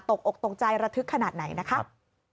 ตกอกตกใจระทึกขนาดไหนนะคะ